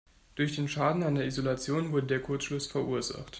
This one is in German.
Durch den Schaden an der Isolation wurde der Kurzschluss verursacht.